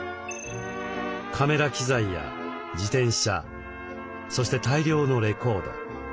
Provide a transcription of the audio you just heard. カメラ機材や自転車そして大量のレコード。